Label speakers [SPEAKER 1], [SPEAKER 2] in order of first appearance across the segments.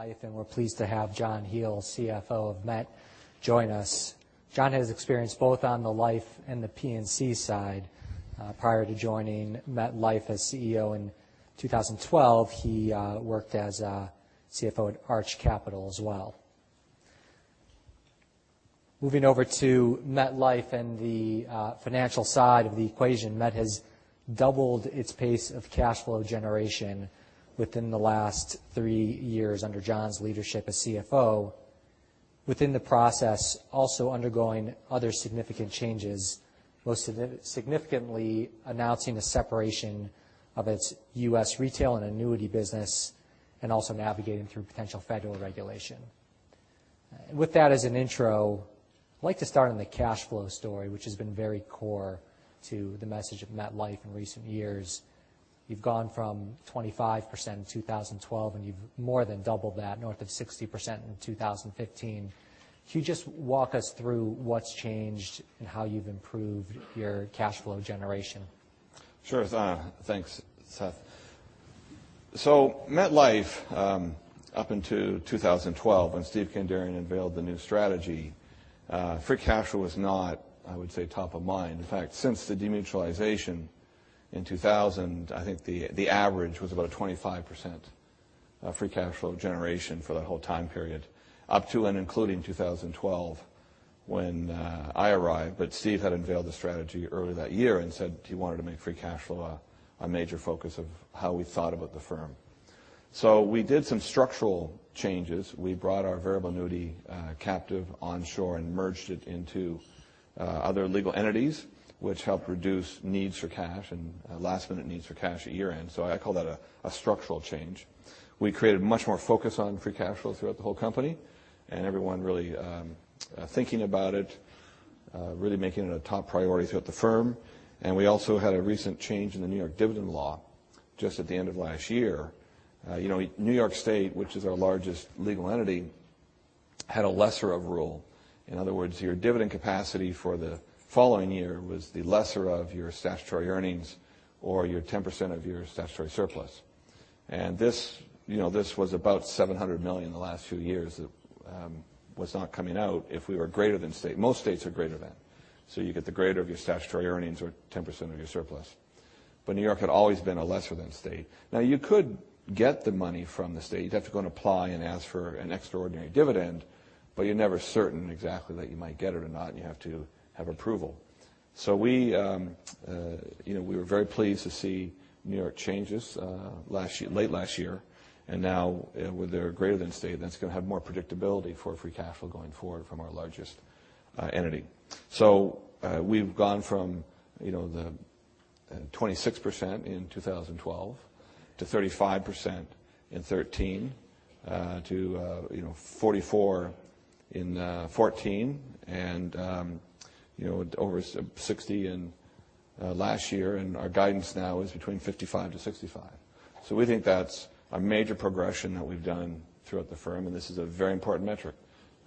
[SPEAKER 1] Life, we're pleased to have John Hele, CFO of Met, join us. John has experience both on the Life and the P&C side. Prior to joining MetLife as CEO in 2012, he worked as a CFO at Arch Capital as well. Moving over to MetLife and the financial side of the equation, Met has doubled its pace of cash flow generation within the last three years under John's leadership as CFO. Within the process, also undergoing other significant changes, most significantly announcing the separation of its U.S. retail and annuity business, and also navigating through potential federal regulation. With that as an intro, I'd like to start on the cash flow story, which has been very core to the message of MetLife in recent years. You've gone from 25% in 2012, and you've more than doubled that, north of 60% in 2015. Can you just walk us through what's changed and how you've improved your cash flow generation?
[SPEAKER 2] Sure. Thanks, Seth. MetLife, up until 2012, when Steven Kandarian unveiled the new strategy, free cash flow was not, I would say, top of mind. In fact, since the demutualization in 2000, I think the average was about a 25% free cash flow generation for that whole time period, up to and including 2012, when I arrived. Steve had unveiled the strategy early that year and said he wanted to make free cash flow a major focus of how we thought about the firm. We did some structural changes. We brought our variable annuity captive onshore and merged it into other legal entities, which helped reduce needs for cash and last-minute needs for cash at year-end. I call that a structural change. We created much more focus on free cash flow throughout the whole company and everyone really thinking about it, really making it a top priority throughout the firm. We also had a recent change in the New York dividend law just at the end of last year. New York State, which is our largest legal entity, had a lesser of rule. In other words, your dividend capacity for the following year was the lesser of your statutory earnings or your 10% of your statutory surplus. This was about $700 million the last few years that was not coming out if we were greater than state. Most states are greater than. You get the greater of your statutory earnings or 10% of your surplus. New York had always been a lesser than state. Now you could get the money from the state. You'd have to go and apply and ask for an extraordinary dividend, but you're never certain exactly that you might get it or not, and you have to have approval. We were very pleased to see New York changes late last year. Now with their greater than state, that's going to have more predictability for free cash flow going forward from our largest entity. We've gone from the 26% in 2012 to 35% in 2013, to 44% in 2014, and over 60% in last year, and our guidance now is between 55%-65%. We think that's a major progression that we've done throughout the firm, and this is a very important metric.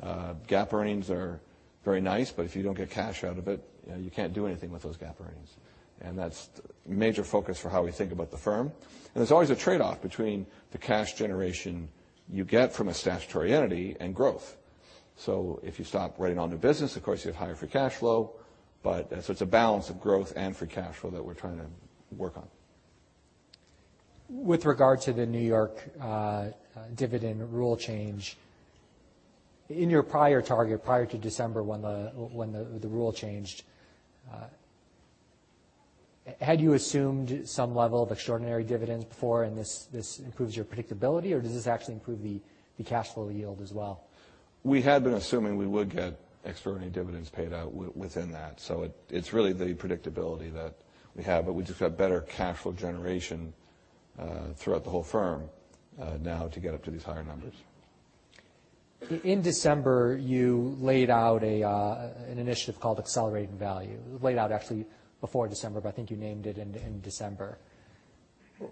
[SPEAKER 2] GAAP earnings are very nice, but if you don't get cash out of it, you can't do anything with those GAAP earnings. That's a major focus for how we think about the firm. There's always a trade-off between the cash generation you get from a statutory entity and growth. If you stop writing all new business, of course, you have higher free cash flow. It's a balance of growth and free cash flow that we're trying to work on.
[SPEAKER 1] With regard to the New York dividend rule change, in your prior target, prior to December when the rule changed, had you assumed some level of extraordinary dividends before and this improves your predictability, or does this actually improve the cash flow yield as well?
[SPEAKER 2] We had been assuming we would get extraordinary dividends paid out within that. It's really the predictability that we have, but we just got better cash flow generation throughout the whole firm now to get up to these higher numbers.
[SPEAKER 1] In December, you laid out an initiative called Accelerating Value. Laid out actually before December, but I think you named it in December.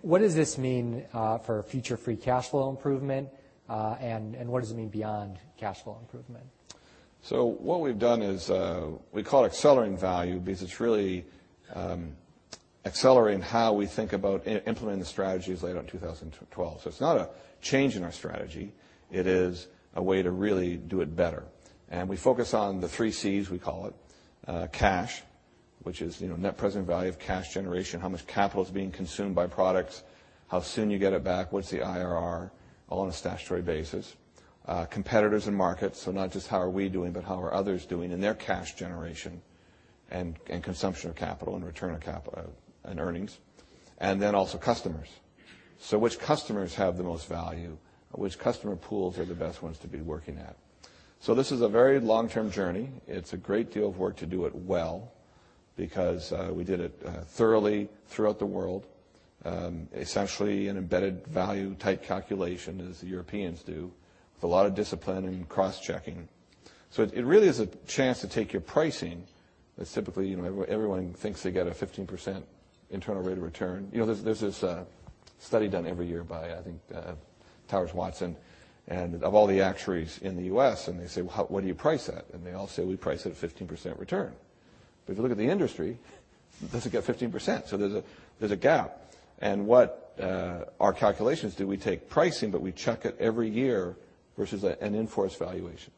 [SPEAKER 1] What does this mean for future free cash flow improvement, and what does it mean beyond cash flow improvement?
[SPEAKER 2] What we've done is, we call it Accelerating Value because it's really accelerating how we think about implementing the strategies laid out in 2012. It's not a change in our strategy. It is a way to really do it better. We focus on the three Cs, we call it. Cash, which is net present value of cash generation, how much capital is being consumed by products, how soon you get it back, what's the IRR, all on a statutory basis. Competitors and markets, not just how are we doing, but how are others doing in their cash generation and consumption of capital and return of capital and earnings. Then also customers. Which customers have the most value, and which customer pools are the best ones to be working at? This is a very long-term journey. It's a great deal of work to do it well because we did it thoroughly throughout the world, essentially an embedded value type calculation as the Europeans do, with a lot of discipline and cross-checking. It really is a chance to take your pricing. Typically, everyone thinks they get a 15% internal rate of return. There's this study done every year by, I think, Towers Watson, and of all the actuaries in the U.S., and they say, "What do you price at?" They all say, "We price at a 15% return." If you look at the industry, it doesn't get 15%. There's a gap. What our calculations do, we take pricing, but we check it every year versus an in-force valuation.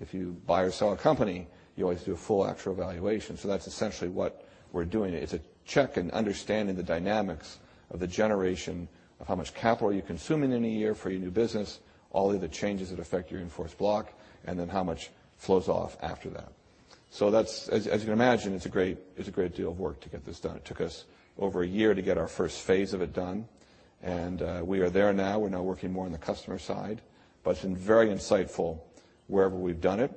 [SPEAKER 2] If you buy or sell a company, you always do a full actual valuation. That's essentially what we're doing. It's a check and understanding the dynamics of the generation of how much capital are you consuming in a year for your new business, all the other changes that affect your in-force block, and then how much flows off after that. As you can imagine, it's a great deal of work to get this done. It took us over a year to get our first phase of it done, and we are there now. We're now working more on the customer side, but it's been very insightful wherever we've done it.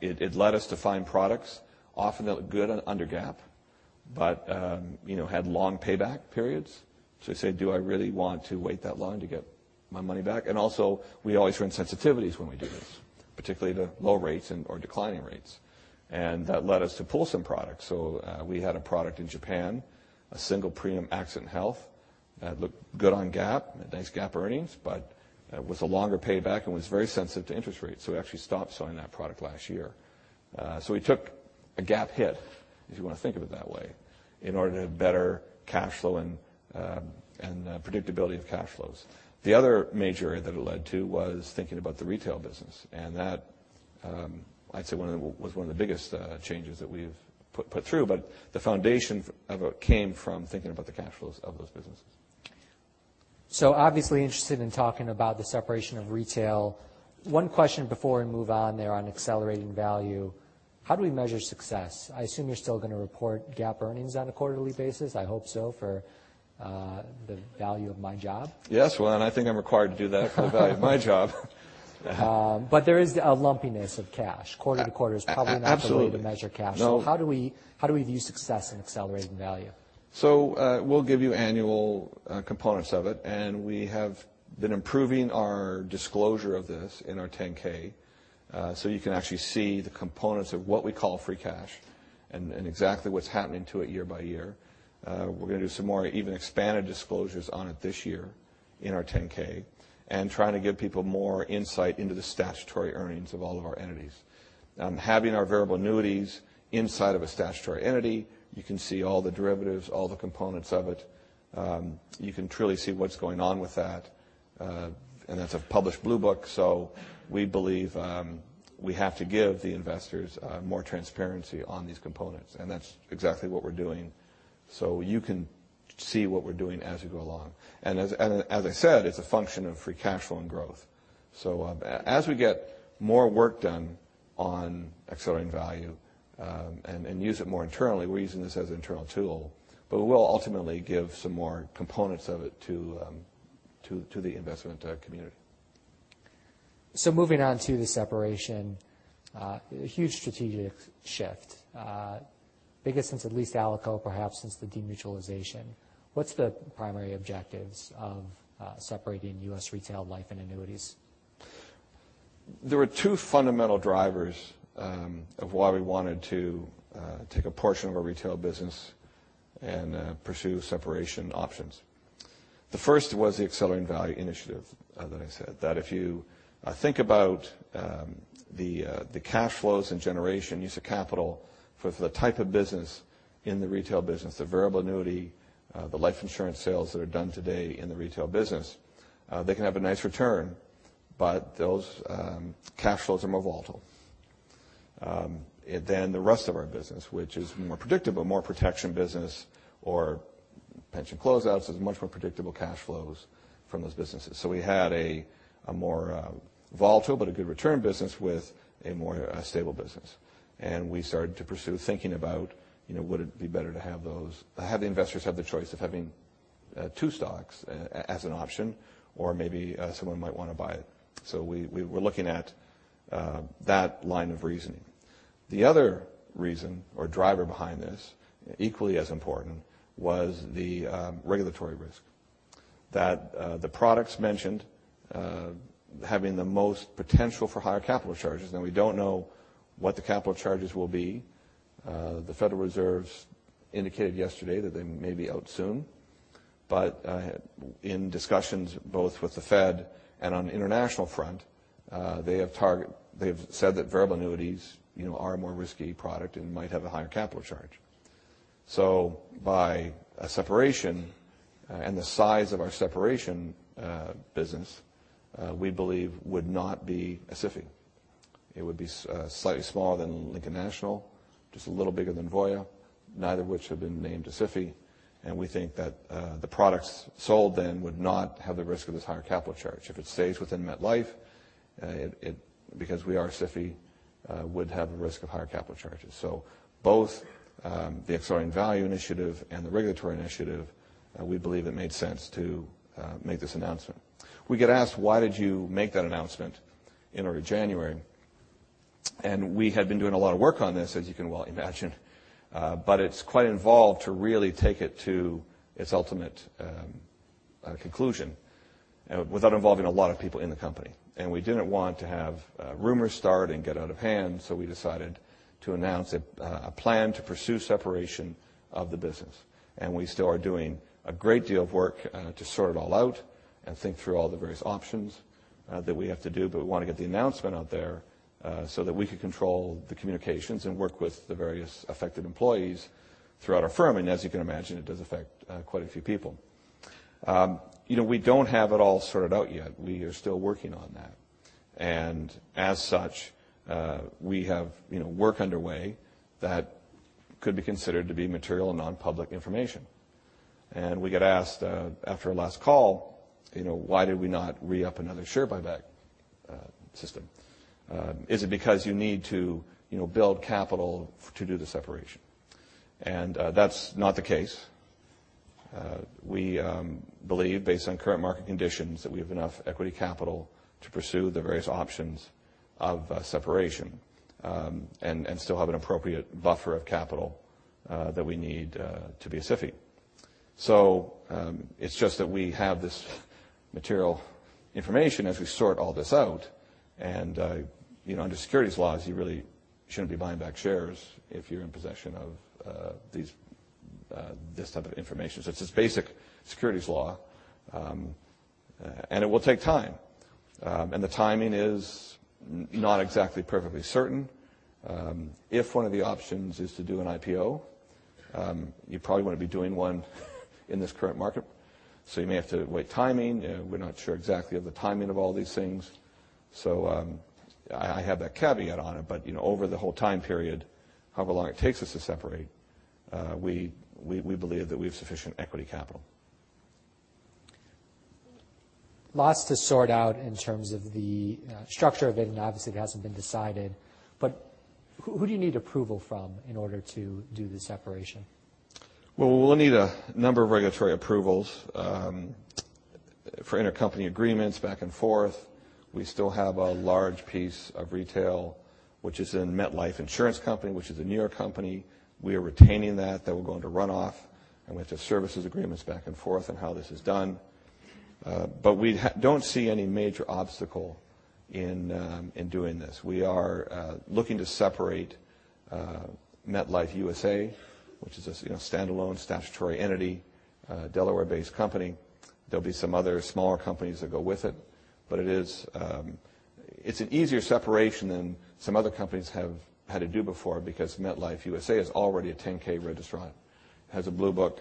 [SPEAKER 2] It led us to find products, often that looked good under GAAP, but had long payback periods. We said, "Do I really want to wait that long to get my money back?" Also, we always run sensitivities when we do this, particularly to low rates or declining rates. That led us to pull some products. We had a product in Japan, a single premium accident health that looked good on GAAP, nice GAAP earnings, but it was a longer payback and was very sensitive to interest rates. We actually stopped selling that product last year. We took a GAAP hit, if you want to think of it that way, in order to have better cash flow and predictability of cash flows. The other major area that it led to was thinking about the retail business. That, I'd say, was one of the biggest changes that we've put through. The foundation of it came from thinking about the cash flows of those businesses.
[SPEAKER 1] Obviously interested in talking about the separation of retail. One question before we move on there on Accelerating Value, how do we measure success? I assume you're still going to report GAAP earnings on a quarterly basis. I hope so for the value of my job.
[SPEAKER 2] Yes. I think I'm required to do that for the value of my job.
[SPEAKER 1] There is a lumpiness of cash.
[SPEAKER 2] Absolutely
[SPEAKER 1] not the way to measure cash.
[SPEAKER 2] No.
[SPEAKER 1] How do we view success in Accelerating Value?
[SPEAKER 2] We'll give you annual components of it, and we have been improving our disclosure of this in our 10-K. You can actually see the components of what we call free cash and exactly what's happening to it year by year. We're going to do some more even expanded disclosures on it this year in our 10-K and trying to give people more insight into the statutory earnings of all of our entities. Having our variable annuities inside of a statutory entity, you can see all the derivatives, all the components of it. You can truly see what's going on with that, and that's a published Blue Book. We believe we have to give the investors more transparency on these components, and that's exactly what we're doing. You can see what we're doing as we go along. As I said, it's a function of free cash flow and growth. As we get more work done on Accelerating Value, and use it more internally, we're using this as an internal tool. We will ultimately give some more components of it to the investment community.
[SPEAKER 1] Moving on to the separation, a huge strategic shift. Biggest since at least ALICO, perhaps since the demutualization. What's the primary objectives of separating U.S. Retail Life and Annuities?
[SPEAKER 2] There are two fundamental drivers of why we wanted to take a portion of our retail business and pursue separation options. The first was the Accelerating Value initiative that I said, that if you think about the cash flows and generation, use of capital for the type of business in the retail business, the variable annuity, the life insurance sales that are done today in the retail business, they can have a nice return, but those cash flows are more volatile than the rest of our business, which is more predictable, more protection business or pension closeouts. There's much more predictable cash flows from those businesses. We had a more volatile but a good return business with a more stable business. We started to pursue thinking about, would it be better to have the investors have the choice of having two stocks as an option or maybe someone might want to buy it. We're looking at that line of reasoning. The other reason or driver behind this, equally as important, was the regulatory risk that the products mentioned having the most potential for higher capital charges. Now we don't know what the capital charges will be. The Federal Reserve's indicated yesterday that they may be out soon. In discussions both with the Fed and on the international front, they've said that variable annuities are a more risky product and might have a higher capital charge. By a separation and the size of our separation business, we believe would not be a SIFI. It would be slightly smaller than Lincoln National, just a little bigger than Voya, neither of which have been named a SIFI. We think that the products sold then would not have the risk of this higher capital charge. If it stays within MetLife, because we are a SIFI, would have the risk of higher capital charges. Both the Accelerating Value initiative and the regulatory initiative, we believe it made sense to make this announcement. We get asked, why did you make that announcement in early January? We had been doing a lot of work on this, as you can well imagine. It's quite involved to really take it to its ultimate conclusion without involving a lot of people in the company. We didn't want to have rumors start and get out of hand, so we decided to announce a plan to pursue separation of the business. We still are doing a great deal of work to sort it all out and think through all the various options that we have to do, but we want to get the announcement out there so that we can control the communications and work with the various affected employees throughout our firm. As you can imagine, it does affect quite a few people. We don't have it all sorted out yet. We are still working on that. As such, we have work underway that could be considered to be material and non-public information. We get asked after our last call, why did we not re-up another share buyback system? Is it because you need to build capital to do the separation? That's not the case. We believe based on current market conditions, that we have enough equity capital to pursue the various options of separation, and still have an appropriate buffer of capital, that we need to be a SIFI. It's just that we have this material information as we sort all this out. Under securities laws, you really shouldn't be buying back shares if you're in possession of this type of information. It's just basic securities law, and it will take time. The timing is not exactly perfectly certain. If one of the options is to do an IPO, you probably want to be doing one in this current market, so you may have to wait timing. We're not sure exactly of the timing of all these things, so I have that caveat on it. Over the whole time period, however long it takes us to separate, we believe that we have sufficient equity capital.
[SPEAKER 1] Lots to sort out in terms of the structure of it, obviously it hasn't been decided. Who do you need approval from in order to do the separation?
[SPEAKER 2] We'll need a number of regulatory approvals for intercompany agreements back and forth. We still have a large piece of retail, which is in MetLife Insurance Company, which is a New York company. We are retaining that. That will go into runoff, and we have to have services agreements back and forth on how this is done. We don't see any major obstacle in doing this. We are looking to separate MetLife USA, which is a standalone statutory entity, a Delaware-based company. There'll be some other smaller companies that go with it. It's an easier separation than some other companies have had to do before because MetLife USA is already a 10-K registrant. It has a Blue Book,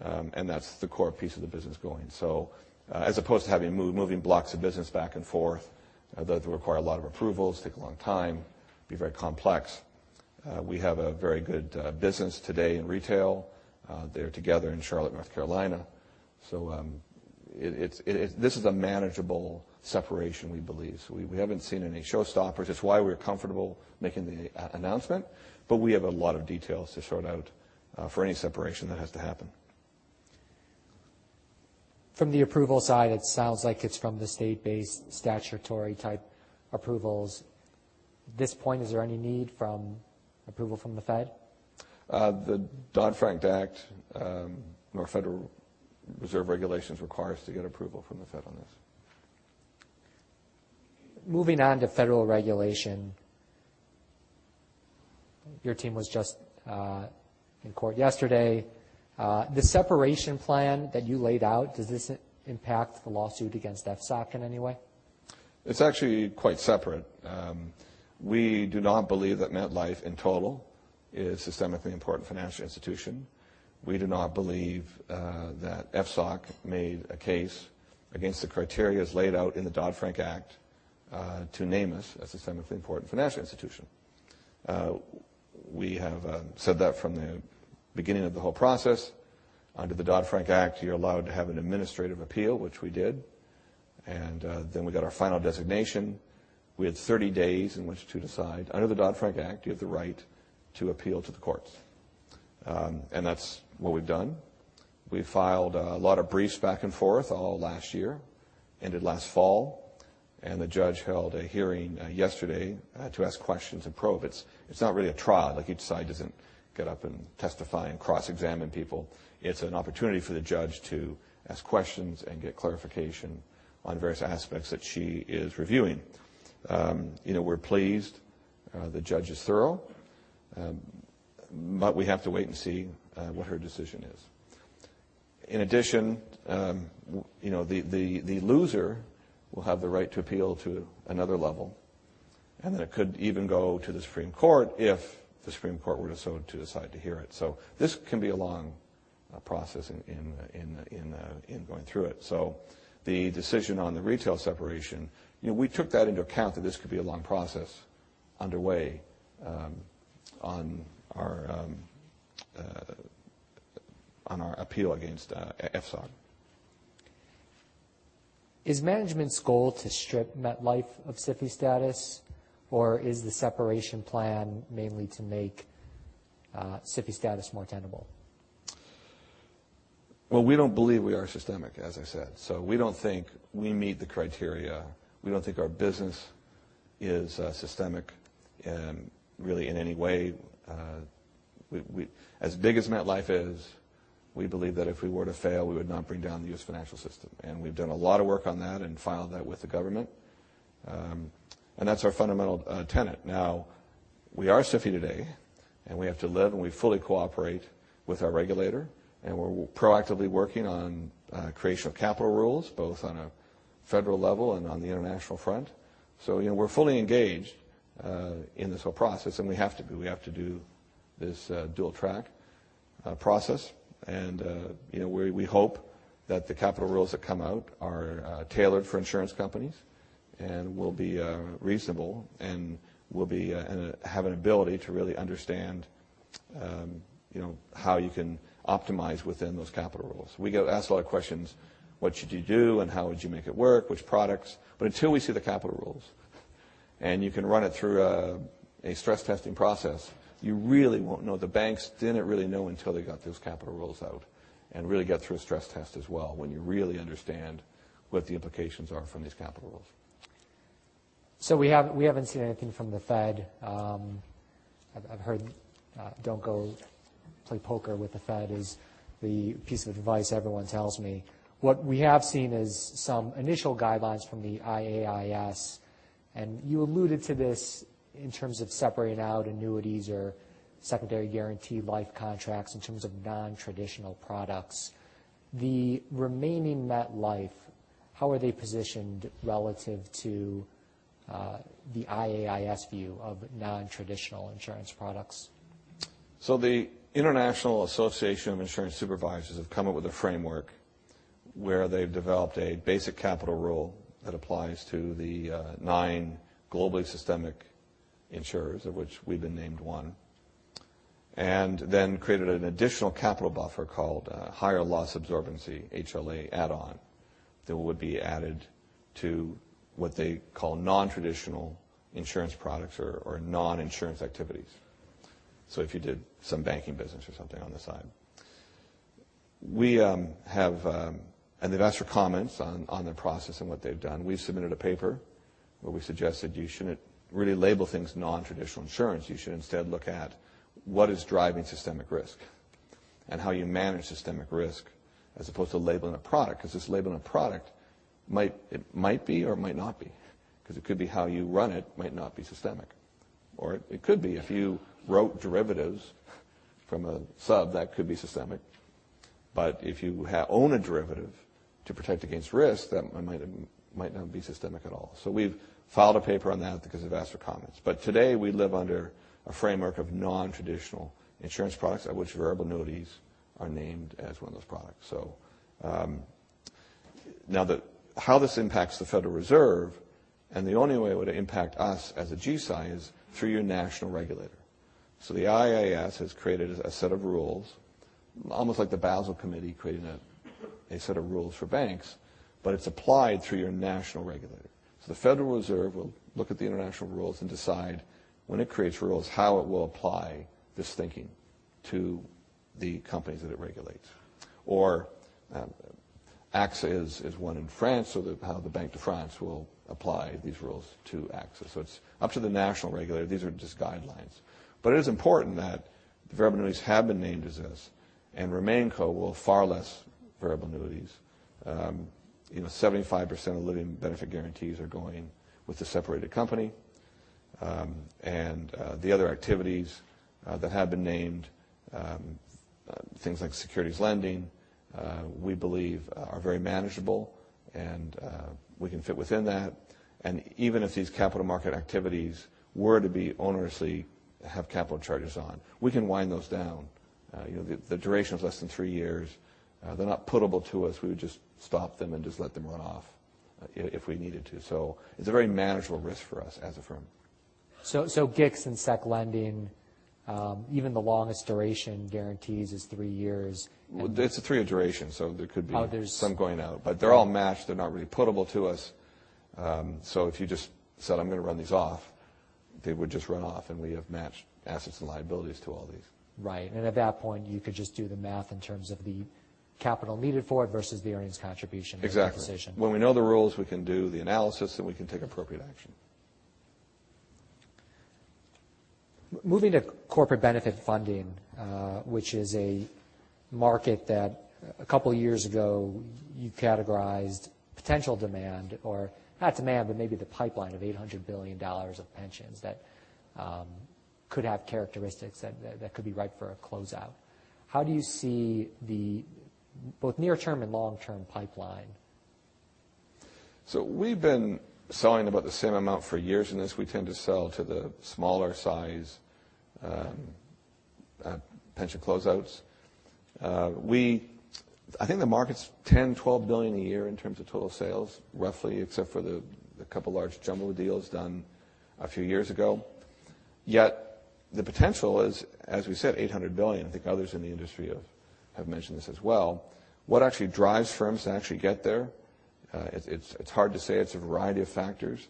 [SPEAKER 2] and that's the core piece of the business going. As opposed to having moving blocks of business back and forth that require a lot of approvals, take a long time, be very complex, we have a very good business today in retail. They're together in Charlotte, North Carolina. This is a manageable separation, we believe. We haven't seen any showstoppers. It's why we're comfortable making the announcement, we have a lot of details to sort out for any separation that has to happen.
[SPEAKER 1] From the approval side, it sounds like it's from the state-based statutory type approvals. At this point, is there any need from approval from the Fed?
[SPEAKER 2] The Dodd-Frank Act, nor Federal Reserve regulations require us to get approval from the Fed on this.
[SPEAKER 1] Moving on to federal regulation, your team was just in court yesterday. The separation plan that you laid out, does this impact the lawsuit against FSOC in any way?
[SPEAKER 2] It's actually quite separate. We do not believe that MetLife in total is a systemically important financial institution. We do not believe that FSOC made a case against the criteria as laid out in the Dodd-Frank Act, to name us a systemically important financial institution. We have said that from the beginning of the whole process. Under the Dodd-Frank Act, you're allowed to have an administrative appeal, which we did, and then we got our final designation. We had 30 days in which to decide. Under the Dodd-Frank Act, you have the right to appeal to the courts, and that's what we've done. We filed a lot of briefs back and forth all last year, ended last fall, and the judge held a hearing yesterday to ask questions and probe. It's not really a trial. Each side doesn't get up and testify and cross-examine people. It's an opportunity for the judge to ask questions and get clarification on various aspects that she is reviewing. We're pleased. The judge is thorough. We have to wait and see what her decision is. In addition, the loser will have the right to appeal to another level, and then it could even go to the Supreme Court if the Supreme Court were to decide to hear it. This can be a long process in going through it. The decision on the retail separation, we took that into account that this could be a long process underway on our appeal against FSOC.
[SPEAKER 1] Is management's goal to strip MetLife of SIFI status, or is the separation plan mainly to make SIFI status more tenable?
[SPEAKER 2] Well, we don't believe we are systemic, as I said. We don't think we meet the criteria. We don't think our business is systemic really in any way. As big as MetLife is, we believe that if we were to fail, we would not bring down the U.S. financial system. We've done a lot of work on that and filed that with the government. That's our fundamental tenet. Now we are SIFI today, and we have to live, and we fully cooperate with our regulator, and we're proactively working on creation of capital rules, both on a federal level and on the international front. We're fully engaged in this whole process, and we have to be. We have to do this dual track process, and we hope that the capital rules that come out are tailored for insurance companies and will be reasonable and will have an ability to really understand how you can optimize within those capital rules. We get asked a lot of questions, what should you do and how would you make it work, which products? Until we see the capital rules, and you can run it through a stress testing process, you really won't know. The banks didn't really know until they got those capital rules out and really got through a stress test as well, when you really understand what the implications are from these capital rules.
[SPEAKER 1] We haven't seen anything from the Fed. I've heard, "Don't go play poker with the Fed," is the piece of advice everyone tells me. What we have seen is some initial guidelines from the IAIS, and you alluded to this in terms of separating out annuities or secondary guaranteed life contracts in terms of non-traditional products. The remaining MetLife, how are they positioned relative to the IAIS view of non-traditional insurance products?
[SPEAKER 2] The International Association of Insurance Supervisors have come up with a framework where they've developed a basic capital rule that applies to the nine globally systemic insurers, of which we've been named one, and then created an additional capital buffer called Higher Loss Absorbency, HLA add on, that would be added to what they call non-traditional insurance products or non-insurance activities. If you did some banking business or something on the side. They've asked for comments on the process and what they've done. We've submitted a paper where we suggested you shouldn't really label things non-traditional insurance. You should instead look at what is driving systemic risk and how you manage systemic risk as opposed to labeling a product. This labeling a product, it might be or it might not be. It could be how you run it might not be systemic. It could be if you wrote derivatives from a sub, that could be systemic. If you own a derivative to protect against risk, that might not be systemic at all. We've filed a paper on that because they've asked for comments. Today, we live under a framework of non-traditional insurance products, of which variable annuities are named as one of those products. How this impacts the Federal Reserve, and the only way it would impact us as a GSI is through your national regulator. The IAIS has created a set of rules, almost like the Basel Committee creating a set of rules for banks, but it's applied through your national regulator. The Federal Reserve will look at the international rules and decide when it creates rules, how it will apply this thinking to the companies that it regulates. AXA is one in France, how the Bank of France will apply these rules to AXA. It's up to the national regulator. These are just guidelines. It is important that the variable annuities have been named as this, and RemainCo will far less variable annuities. 75% of living benefit guarantees are going with the separated company. The other activities that have been named, things like securities lending, we believe are very manageable and we can fit within that. Even if these capital market activities were to be onerously have capital charges on, we can wind those down. The duration is less than three years. They're not putable to us. We would just stop them and just let them run off if we needed to. It's a very manageable risk for us as a firm.
[SPEAKER 1] GICs and securities lending, even the longest duration guarantees is three years.
[SPEAKER 2] It's a three-year duration.
[SPEAKER 1] Oh.
[SPEAKER 2] some going out. They're all matched. They're not really putable to us. If you just said, "I'm going to run these off," they would just run off, and we have matched assets and liabilities to all these.
[SPEAKER 1] Right. At that point, you could just do the math in terms of the capital needed for it versus the earnings contribution.
[SPEAKER 2] Exactly
[SPEAKER 1] decision.
[SPEAKER 2] When we know the rules, we can do the analysis, and we can take appropriate action.
[SPEAKER 1] Moving to corporate benefit funding, which is a market that a couple of years ago you categorized potential demand, or not demand, but maybe the pipeline of $800 billion of pensions that could have characteristics that could be ripe for a closeout. How do you see both near-term and long-term pipeline?
[SPEAKER 2] We've been selling about the same amount for years in this. We tend to sell to the smaller size pension closeouts. I think the market's $10 billion-$12 billion a year in terms of total sales, roughly, except for the couple large jumbo deals done a few years ago. The potential is, as we said, $800 billion. I think others in the industry have mentioned this as well. What actually drives firms to actually get there? It's hard to say. It's a variety of factors,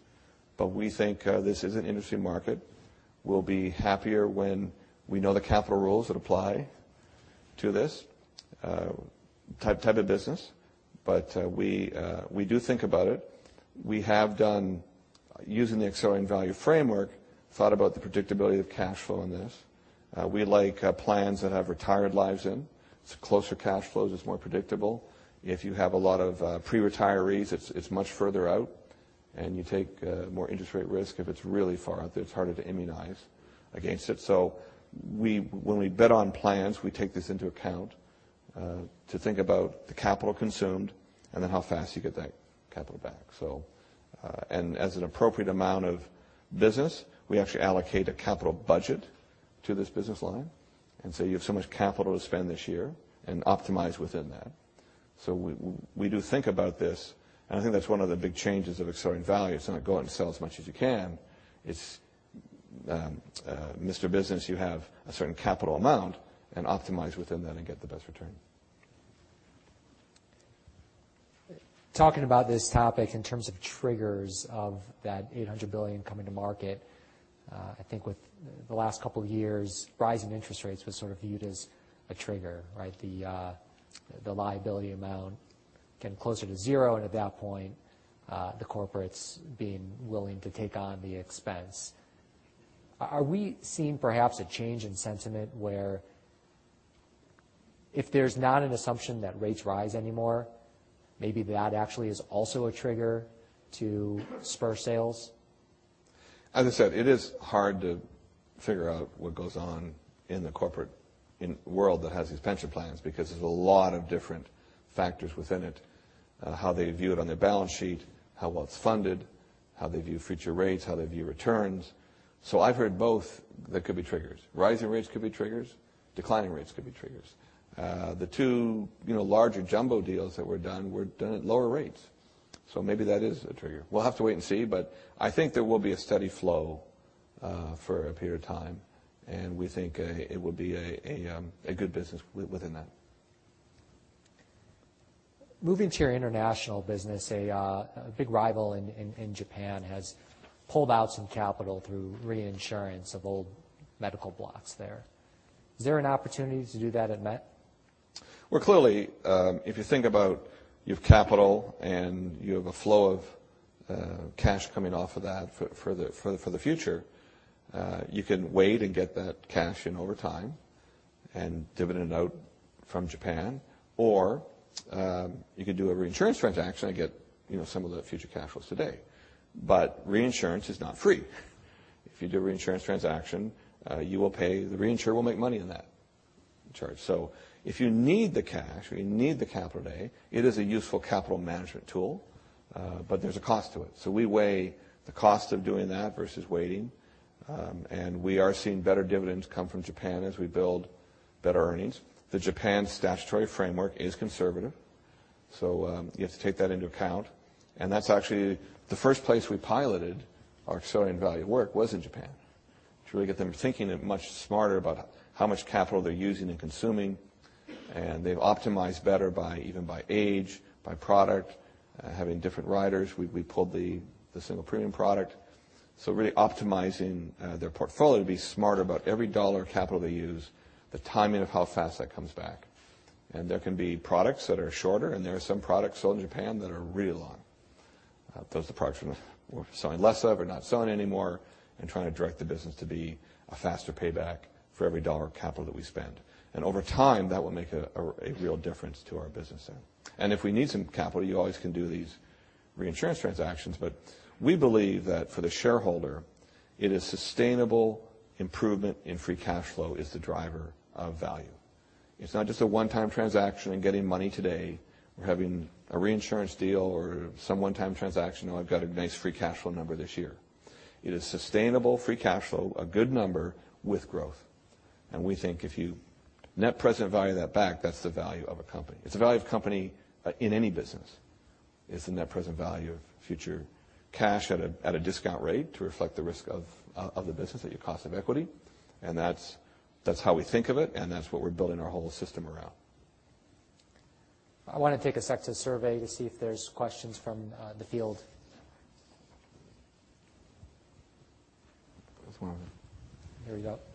[SPEAKER 2] but we think this is an industry market. We'll be happier when we know the capital rules that apply to this type of business. We do think about it. We have done, using the Accelerating Value framework, thought about the predictability of cash flow in this. We like plans that have retired lives in. It's closer cash flows, it's more predictable. If you have a lot of pre-retirees, it's much further out, and you take more interest rate risk. If it's really far out, then it's harder to immunize against it. When we bid on plans, we take this into account, to think about the capital consumed and then how fast you get that capital back. As an appropriate amount of business, we actually allocate a capital budget to this business line and say, "You have so much capital to spend this year, and optimize within that." We do think about this, and I think that's one of the big changes of Accelerating Value. It's not go out and sell as much as you can. It's, Mr. Business, you have a certain capital amount and optimize within that and get the best return.
[SPEAKER 1] Talking about this topic in terms of triggers of that $800 billion coming to market, I think with the last couple of years, rising interest rates was sort of viewed as a trigger, right? The liability amount getting closer to zero, and at that point, the corporates being willing to take on the expense. Are we seeing perhaps a change in sentiment where if there's not an assumption that rates rise anymore, maybe that actually is also a trigger to spur sales?
[SPEAKER 2] It is hard to figure out what goes on in the corporate world that has these pension plans because there's a lot of different factors within it. How they view it on their balance sheet, how well it's funded, how they view future rates, how they view returns. I've heard both that could be triggers. Rising rates could be triggers, declining rates could be triggers. The two larger jumbo deals that were done were done at lower rates. Maybe that is a trigger. We'll have to wait and see, I think there will be a steady flow for a period of time, and we think it would be a good business within that.
[SPEAKER 1] Moving to your international business, a big rival in Japan has pulled out some capital through reinsurance of old medical blocks there. Is there an opportunity to do that at Met?
[SPEAKER 2] Well, clearly, if you think about you've capital and you have a flow of cash coming off of that for the future, you can wait and get that cash in over time and dividend out from Japan. You could do a reinsurance transaction and get some of the future cash flows today. Reinsurance is not free. If you do a reinsurance transaction, the reinsurer will make money in that charge. If you need the cash or you need the capital today, it is a useful capital management tool, but there's a cost to it. We weigh the cost of doing that versus waiting. We are seeing better dividends come from Japan as we build better earnings. The Japan statutory framework is conservative, you have to take that into account. That's actually the first place we piloted our Accelerating Value work was in Japan, to really get them thinking much smarter about how much capital they're using and consuming. They've optimized better even by age, by product, having different riders. We pulled the single premium product. Really optimizing their portfolio to be smarter about every U.S. dollar of capital they use, the timing of how fast that comes back. There can be products that are shorter, there are some products sold in Japan that are really long. Those are the products we're selling less of or not selling anymore, trying to direct the business to be a faster payback for every U.S. dollar of capital that we spend. Over time, that will make a real difference to our business there. If we need some capital, you always can do these reinsurance transactions. We believe that for the shareholder, it is sustainable improvement in free cash flow is the driver of value. It's not just a one-time transaction and getting money today or having a reinsurance deal or some one-time transaction or I've got a nice free cash flow number this year. It is sustainable free cash flow, a good number with growth. We think if you net present value that back, that's the value of a company. It's the value of company in any business, is the net present value of future cash at a discount rate to reflect the risk of the business at your cost of equity. That's how we think of it, and that's what we're building our whole system around.
[SPEAKER 1] I want to take a sec to survey to see if there's questions from the field.
[SPEAKER 2] There's one of them.
[SPEAKER 1] Here we go.
[SPEAKER 3] Can you talk a little bit about the reaction of your distribution to the separation and how they feel about selling products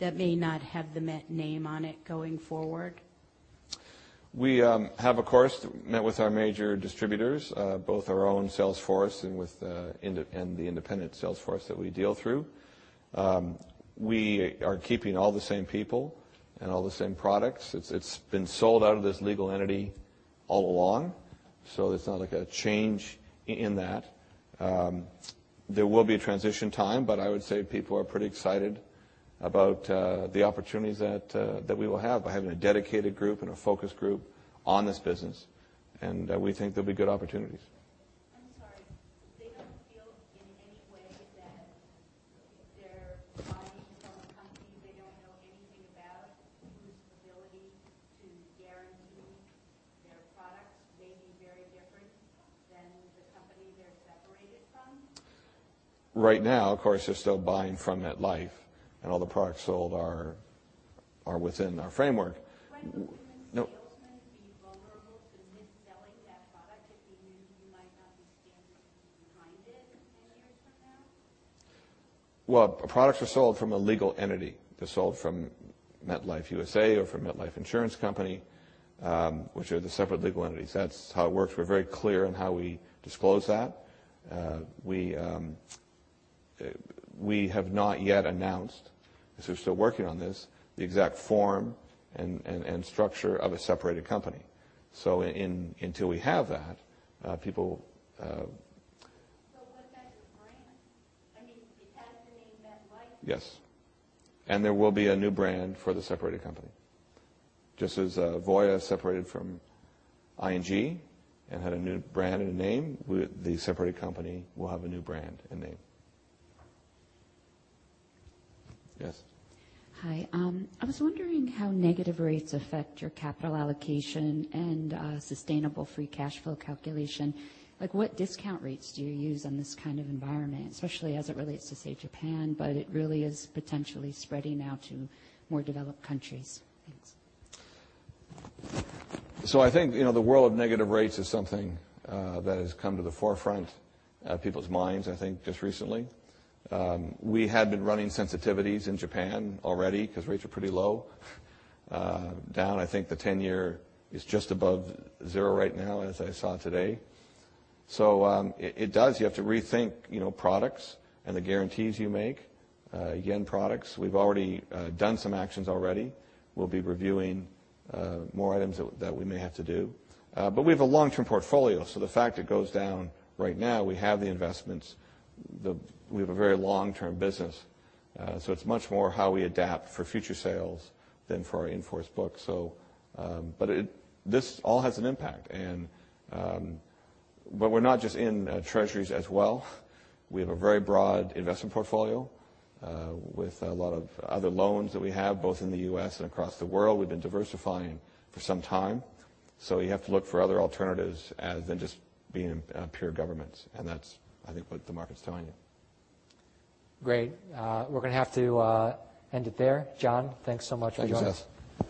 [SPEAKER 3] that may not have the Met name on it going forward?
[SPEAKER 2] We have, of course, met with our major distributors, both our own sales force and the independent sales force that we deal through. We are keeping all the same people and all the same products. It's been sold out of this legal entity all along, it's not like a change in that. There will be a transition time, I would say people are pretty excited about the opportunities that we will have by having a dedicated group and a focus group on this business, we think there'll be good opportunities.
[SPEAKER 3] I'm sorry. They don't feel in any way that they're buying from a company they don't know anything about, whose ability to guarantee their products may be very different than the company they're separated from?
[SPEAKER 2] Right now, of course, they're still buying from MetLife. All the products sold are within our framework.
[SPEAKER 3] When will they know?
[SPEAKER 2] Well, products are sold from a legal entity. They're sold from MetLife USA or from Metropolitan Life Insurance Company, which are the separate legal entities. That's how it works. We're very clear on how we disclose that. We have not yet announced, because we're still working on this, the exact form and structure of a separated company. Until we have that.
[SPEAKER 3] What about your brand? I mean, it has the name MetLife.
[SPEAKER 2] Yes. There will be a new brand for the separated company. Just as Voya separated from ING and had a new brand and a name, the separated company will have a new brand and name. Yes.
[SPEAKER 3] Hi. I was wondering how negative rates affect your capital allocation and sustainable free cash flow calculation. What discount rates do you use in this kind of environment, especially as it relates to, say, Japan, but it really is potentially spreading now to more developed countries? Thanks.
[SPEAKER 2] I think, the world of negative rates is something that has come to the forefront of people's minds, I think, just recently. We had been running sensitivities in Japan already because rates are pretty low. Down, I think the 10-year is just above zero right now as I saw today. You have to rethink products and the guarantees you make. Yen products, we've already done some actions already. We'll be reviewing more items that we may have to do. We have a long-term portfolio, so the fact it goes down right now, we have the investments. We have a very long-term business. It's much more how we adapt for future sales than for our in-force book. This all has an impact, but we're not just in treasuries as well. We have a very broad investment portfolio, with a lot of other loans that we have, both in the U.S. and across the world. We've been diversifying for some time. You have to look for other alternatives other than just being in pure governments, and that's, I think, what the market's telling you.
[SPEAKER 1] Great. We're going to have to end it there. John, thanks so much for joining us.